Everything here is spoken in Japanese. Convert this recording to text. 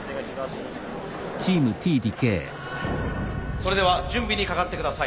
それでは準備にかかって下さい。